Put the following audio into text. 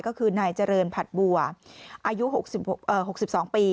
ก็คือนายเจริญผัดบัวอายุ๖๒ปี